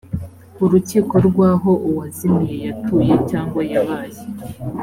urukiko rw aho uwazimiye yatuye cyangwa yabaye